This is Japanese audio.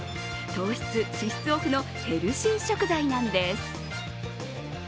糖質・脂質オフのヘルシー食材なんです。